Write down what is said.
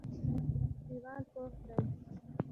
دېوال پخ دی.